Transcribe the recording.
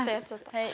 はい。